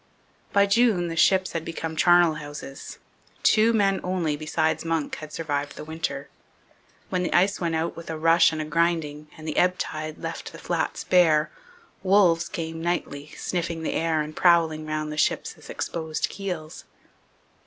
By June the ships had become charnel houses. Two men only, besides Munck, had survived the winter. When the ice went out with a rush and a grinding, and the ebb tide left the flats bare, wolves came nightly, sniffing the air and prowling round the ships' exposed keels.